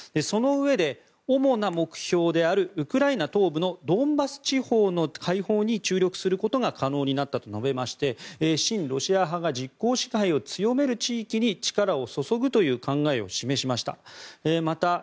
そのうえで主な目標であるウクライナ東部のドンバス地方の解放に注力することが可能になったと述べまして親ロシア派が実効支配を強める地域に力を注ぐという考えを示しました。